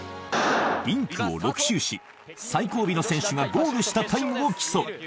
リンクを６周し最後尾の選手がゴールしたタイムを競う。